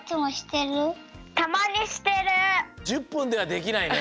１０ぷんではできないね。